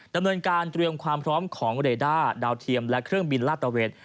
ดำเนินการเตรียมความพร้อมของเรด้าดาวเทียมและเครื่องบินลาตะเวท